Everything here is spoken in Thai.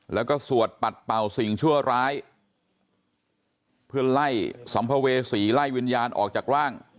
แล้วก็สวดปัดเป่าสิ่งชั่วร้ายเพื่อไล่สัมภเวษีไล่วิญญาณออกจากร่าง